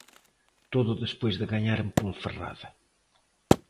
Todo despois de gañar en Ponferrada.